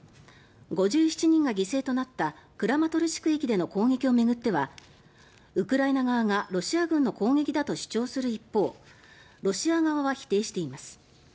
５７人が犠牲となったクラマトルシク駅での攻撃を巡ってはウクライナ側がロシア軍の攻撃だと主張する一方ロシア側は否定しています。